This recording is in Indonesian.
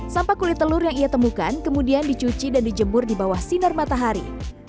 sampah kulit telur yang ia temukan kemudian dicuci dan dijemur di bawah sinar matahari